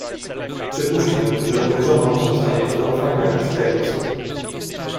"Przypuśćmy, że powierzoną mu zostanie w zaufaniu jakaś tajemnica."